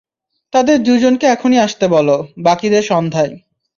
তাদের দুজনকে এখনই আসতে বলো, বাকিদের সন্ধ্যায়।